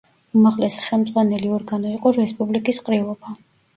უმაღლესი ხელმძღვანელი ორგანო იყო რესპუბლიკის ყრილობა.